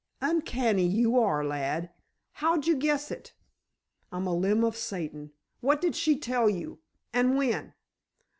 "Uncanny you are, lad! How'd you guess it?" "I'm a limb of Satan. What did she tell you? and when?"